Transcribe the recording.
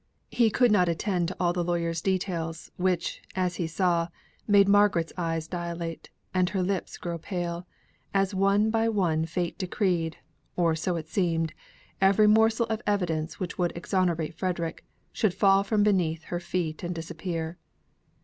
He could not attend to all the lawyer's details, which, as he saw, made Margaret's eyes dilate, and her lips grow pale, as one by one fate decreed, or so it seemed, every morsel of evidence which would exonerate Frederick, should fall from beneath her feet and disappear.